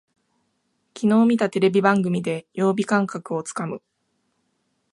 きのう見たテレビ番組で曜日感覚をつかむ